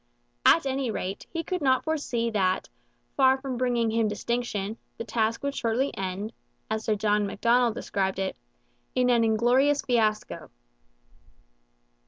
At any rate, he could not foresee that, far from bringing him distinction, the task would shortly end, as Sir John Macdonald described it, in an inglorious fiasco.